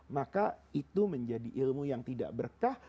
maka itu menjadi ilmu yang tidak berkah